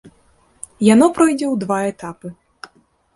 Яно пройдзе ў два этапы.